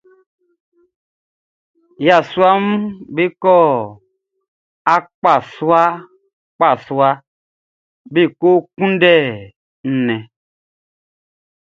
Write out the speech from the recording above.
Yasuaʼm be kɔ akpasuaakpasua be ko kunndɛ nnɛn.